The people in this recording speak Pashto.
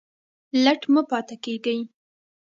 لټ مه پاته کیږئ